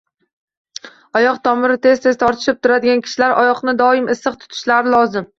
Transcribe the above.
Oyoq tomiri tez-tez tortishib turadigan kishilar oyoqni doim issiq tutishlari lozim.